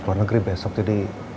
keluar negeri besok jadi